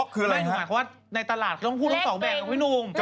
กรุณัยใช้คำว่าเลขบล็อคติดย์นะฮะ